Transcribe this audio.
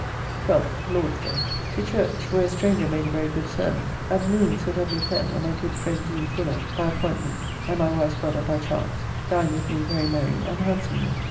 12th (Lord's day). To church, where a stranger made a very good sermon. At noon Sir W. Pen and my good friend Dean Fuller, by appointment, and my wife's brother by chance, dined with me very merry and handsomely.